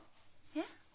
えっ？